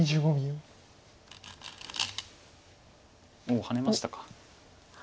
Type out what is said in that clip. おおハネましたか。